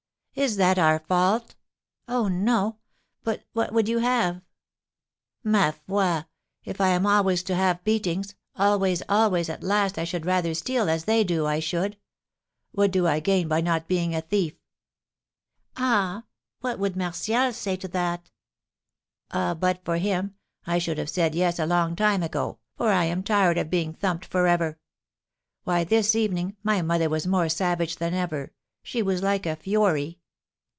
"Is that our fault?" "Oh, no! But what would you have?" "Ma foi! If I am always to have beatings, always, always, at last I should rather steal, as they do, I should. What do I gain by not being a thief?" "Ah, what would Martial say to that?" "Ah, but for him, I should have said yes a long time ago, for I am tired of being thumped for ever; why, this evening, my mother was more savage than ever; she was like a fury!